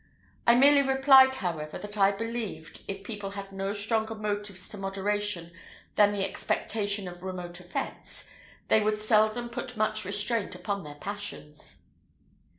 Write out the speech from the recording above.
I merely replied, however, that I believed, if people had no stronger motives to moderation than the expectation of remote effects, they would seldom put much restraint upon their passions.